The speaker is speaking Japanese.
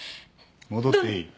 戻っていい。